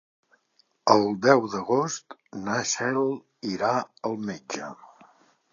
El deu d'agost na Cel irà al metge.